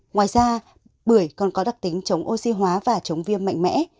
ngoài ra bưởi còn có đặc tính chống oxy hóa và chống viêm mạnh mẽ